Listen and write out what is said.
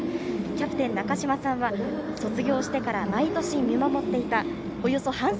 キャプテン、なかじまさんは卒業してから毎年見守っていた。